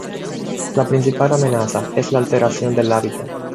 La principal amenaza es la alteración del hábitat.